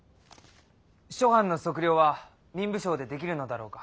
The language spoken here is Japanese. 諸藩の測量は民部省でできるのだろうか？